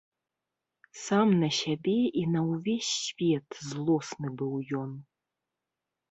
Сам на сябе і на ўвесь свет злосны быў ён.